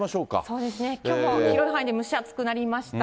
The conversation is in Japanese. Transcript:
そうですね、きょうも広い範囲で蒸し暑くなりました。